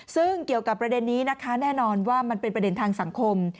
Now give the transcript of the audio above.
ซึ่งเกี่ยวกับประเด็นนี้นะคะแน่นอนว่ามันเป็นประเด็นทางสังคม